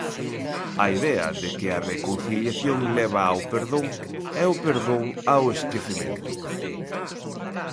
A idea de que a reconciliación leva ao perdón, e o perdón ao esquecemento.